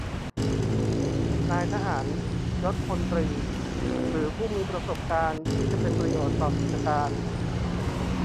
นายทหารยศพลตรี หรือผู้มีประสบการณ์ที่จะเป็นประโยชน์ต่อกิจการ